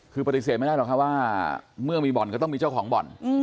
คือปฏิเสธไม่ได้หรอกครับว่าเมื่อมีบ่อนก็ต้องมีเจ้าของบ่อน